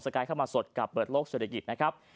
จะกลายเข้ามาสดกับเบิร์ตโลกศัลยกิจนะครับ